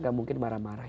gak mungkin marah marah ya